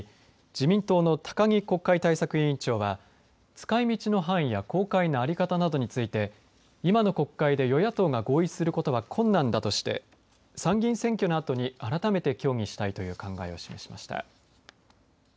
自民党の高木国会対策委員長は使いみちの範囲や公開の在り方などについて今の国会で与野党が合意することは困難だとして参議院選挙のあとに改めて協議したいという考えを示しました。